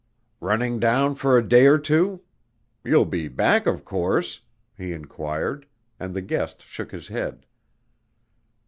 "Running down for a day or two? You'll be back, of course?" he inquired, and the guest shook his head.